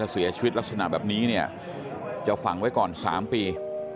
เสียชีวิตลักษณะแบบนี้เนี่ยจะฝังไว้ก่อน๓ปี